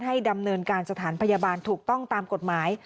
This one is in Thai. ดำเนินการสถานพยาบาลถูกต้องตามกฎหมาย